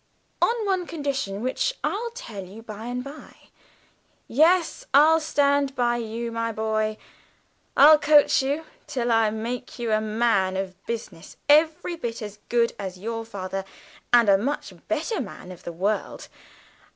"On one condition, which I'll tell you by and by. Yes, I'll stand by you, my boy, I'll coach you till I make you a man of business every bit as good as your father, and a much better man of the world.